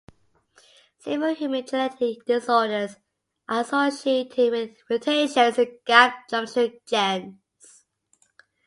Several human genetic disorders are associated with mutations in gap junction genes.